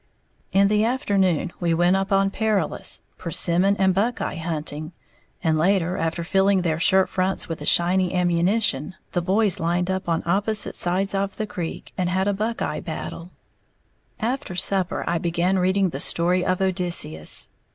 In the afternoon we went up Perilous, persimmon and buckeye hunting, and later, after filling their shirt fronts with the shiny ammunition, the boys lined up on opposite sides of the creek and had a buckeye battle. After supper I began reading the Story of Odysseus.